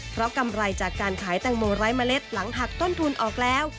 เพราะกำไรจากการขายแตงโมไร้เมล็ดหลังหักต้นทุนออกแล้ว